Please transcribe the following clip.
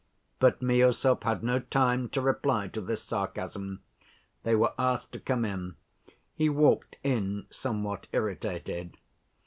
But Miüsov had no time to reply to this sarcasm. They were asked to come in. He walked in, somewhat irritated.